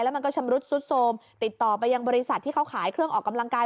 มันก็ชำรุดซุดโทรมติดต่อไปยังบริษัทที่เขาขายเครื่องออกกำลังกาย